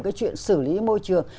cái chuyện xử lý môi trường